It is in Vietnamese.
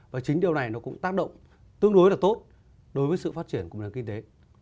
và chính điều này nó cũng tác động tương đối là tốt đối với sự phát triển của nền kinh tế